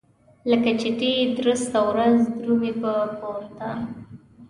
لکه چتي درسته ورځ درومي په پورته.